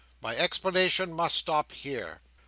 My explanation must stop here."